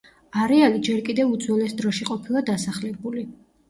არეალი ჯერ კიდევ უძველეს დროში ყოფილა დასახლებული.